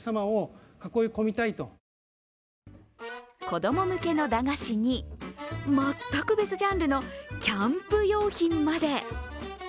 子供向けの駄菓子に、全く別ジャンルのキャンプ用品まで。